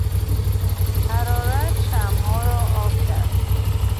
حرارت شمعها را آب کرد.